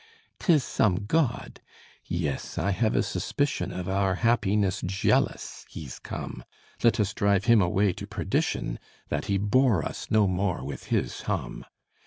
'Tis some god. Yes, I have a suspicion Of our happiness jealous, he's come: Let us drive him away to perdition, That he bore us no more with his hum.